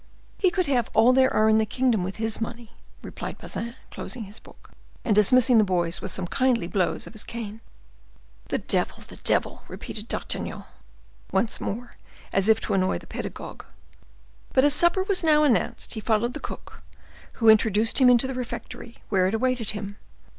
"He could have all there are in the kingdom with his money," replied Bazin, closing his book, and dismissing the boys with some kindly blows of his cane. "The devil! the devil!" repeated D'Artagnan, once more, as if to annoy the pedagogue. But as supper was now announced, he followed the cook, who introduced him into the refectory, where it awaited him.